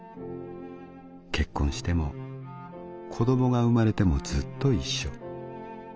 結婚してもこどもが産まれてもずっと一緒。